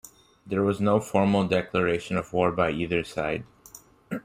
There was no formal declaration of war by either side.